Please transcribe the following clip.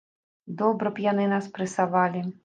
Добра б яны нас прэсавалі.